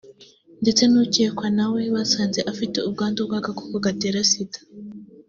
ndetse n’ukekwa na we basanze afite ubwandu bw’agakoko gatera Sida